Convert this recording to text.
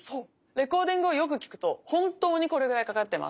レコーディングをよく聴くと本当にこれぐらいかかってます。